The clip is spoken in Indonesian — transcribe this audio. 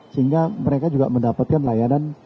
sehingga mereka juga mendapatkan layanan